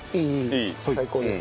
最高です。